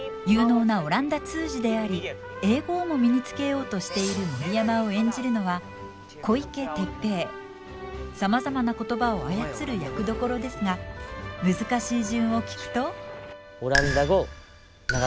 有能なオランダ通詞であり英語をも身につけようとしている森山を演じるのはさまざまな言葉を操る役どころですが難しい順を聞くと？